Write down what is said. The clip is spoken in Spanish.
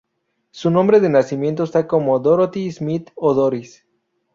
Su nombre de nacimiento está como Dorothy Smith o Doris.